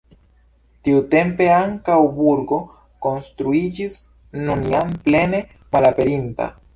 Tiutempe ankaŭ burgo konstruiĝis, nun jam plene malaperinta.